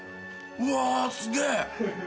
うわあすげえ。